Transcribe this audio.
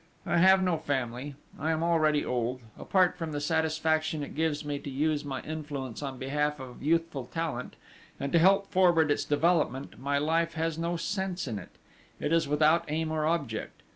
I have no family, I am already old; apart from the satisfaction it gives me to use my influence on behalf of youthful talent, and to help forward its development, my life has no sense in it, it is without aim or object.